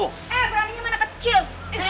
eh berani nyemang anak kecil